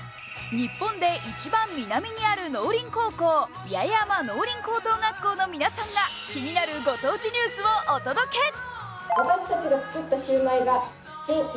日本で一番南にある農林高校、八重山農林高等学校の皆さんが気になるご当地ニュースをお届け。